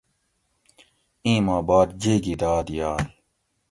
ایں ماں باد جیگی داد یاگ